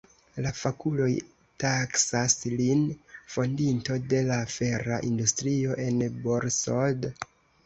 La fakuloj taksas lin fondinto de la fera industrio en Borsod.